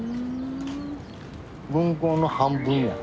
分校の半分や。